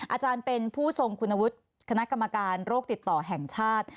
อาจารย์เป็นผู้ทรงคุณวุฒิคณะกรรมการโรคติดต่อแห่งชาติ